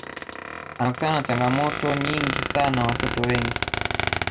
anakutana na changamoto nyingi sana watoto wengi